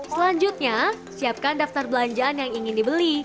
selanjutnya siapkan daftar belanjaan yang ingin dibeli